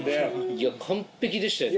いや完璧でしたよね